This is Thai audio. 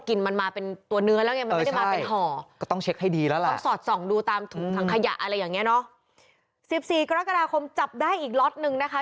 สิบสี่กรกฎาคมจับได้อีกล็อตนึงนะคะ